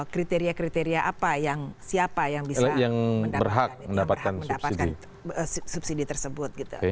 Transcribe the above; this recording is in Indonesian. kriteria kriteria apa yang siapa yang bisa mendapatkan subsidi tersebut